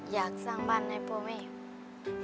อยากสร้างบ้านให้พ่อแม่อยู่